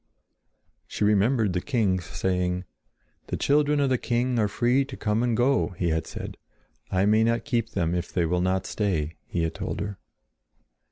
She remembered the king's saying: "The children of the king are free to come and go," he had said. "I may not keep them if they will not stay," he had told her.